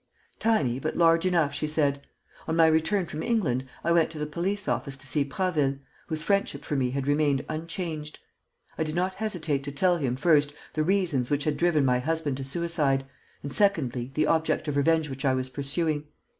"Tiny, but large enough," she said. "On my return from England, I went to the police office to see Prasville, whose friendship for me had remained unchanged. I did not hesitate to tell him, first, the reasons which had driven my husband to suicide and, secondly, the object of revenge which I was pursuing.